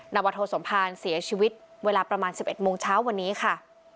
วัฒโธสมภารเสียชีวิตเวลาประมาณ๑๑โมงเช้าวันนี้ค่ะ